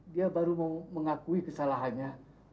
dia baru mengakui kesalahannya